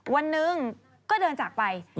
วันหนึ่งก็เดินจากไป